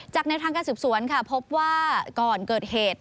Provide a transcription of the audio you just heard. แนวทางการสืบสวนค่ะพบว่าก่อนเกิดเหตุ